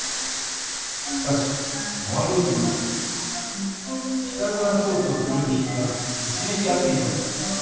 しかしまわりをみるとピラゴラ装置をつくるぶひんがひしめきあっています。